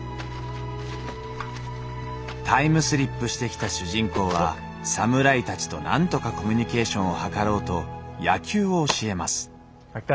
タイムスリップしてきた主人公は侍たちとなんとかコミュニケーションを図ろうと野球を教えます。